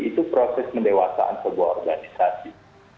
itu proses mendewasaan sebuah organisasi